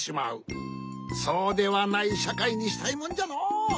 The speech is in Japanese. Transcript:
そうではないしゃかいにしたいもんじゃのう。